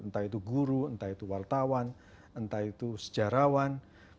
entah itu guru entah itu wartawan entah itu sejarawan